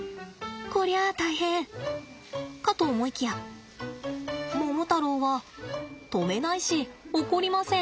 こりゃ大変かと思いきやモモタロウは止めないし怒りません。